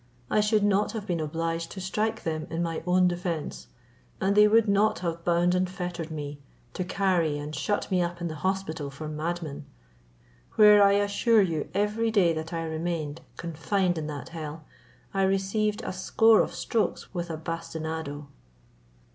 I should not have been obliged to strike them in my own defence, and they would not have bound and fettered me, to carry and shut me up in the hospital for madmen, where I assure you every day that I remained confined in that hell, I received a score of strokes with a bastinado."